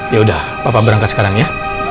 ya udah papa berangkat sekarang ya